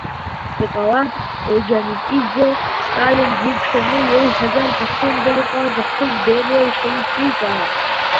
Иҟалап, Орџьоникиӡе Сталин диқәшәаны иеиҳәазар Пицунда иҟалаз ахҭыс Бериа ишеиҿикааз.